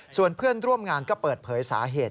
ส่วนเพื่อนร่วมงานก็เปิดเผยสาเหตุ